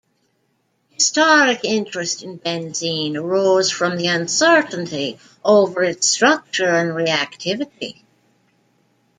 Historic interest in benzene arose from the uncertainty over its structure and reactivity.